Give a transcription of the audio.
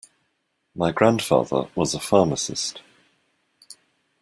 My grandfather was a pharmacist.